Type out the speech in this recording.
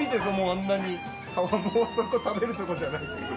ああもうそこ食べるとこじゃない。